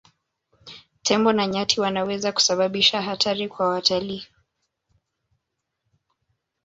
Tembo na nyati wanaweza kusababisha hatari kwa watalii